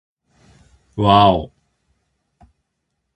わぁお